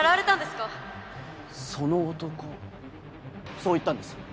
そう言ったんです。